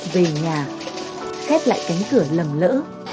về nhà khép lại cánh cửa lầm lỡ